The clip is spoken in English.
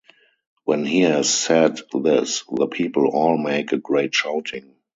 When he has said this, the people all make a great shouting.